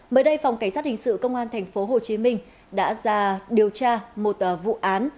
mới đây phòng cảnh sát hình sự công an tp hcm đã ra điều tra một vụ án